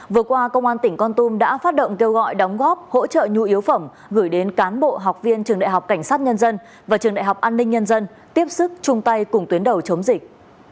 vừa qua công an tỉnh con tum đã phát động kêu gọi đóng góp hỗ trợ nhu yếu phẩm gửi đến cán bộ học viên trường đại học cảnh sát nhân dân và trường đại học an ninh nhân dân tiếp sức chung tay cùng tuyến đầu chống dịch